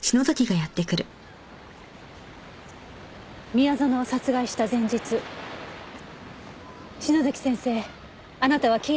宮園を殺害した前日篠崎先生あなたは聞いたんですよね？